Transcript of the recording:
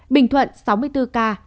bình thuận sáu mươi bốn ca